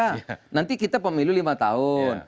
berarti kita pemilu lima tahun